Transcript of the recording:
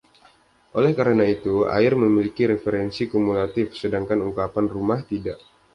Oleh karena itu, "air" memiliki referensi kumulatif, sedangkan ungkapan "rumah" tidak.